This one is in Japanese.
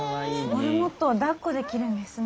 モルモットをだっこできるんですね。